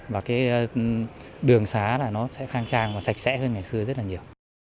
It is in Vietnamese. và cái đường xá là nó sẽ khang trang và sạch sẽ hơn ngày xưa rất là nhiều